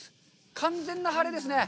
完全な晴れですね！